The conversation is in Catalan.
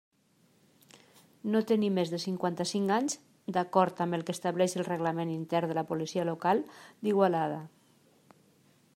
No tenir més de cinquanta-cinc anys, d'acord amb el que estableix el reglament Intern de la Policia Local d'Igualada.